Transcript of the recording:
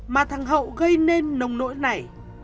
mà thằng hậu gây nên nồng nỗi này